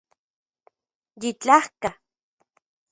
Yitlajka